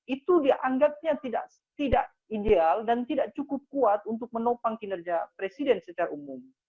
itu dianggapnya tidak ideal dan tidak cukup kuat untuk menopang kinerja presiden secara umum